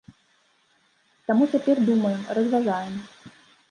Таму цяпер думаем, разважаем.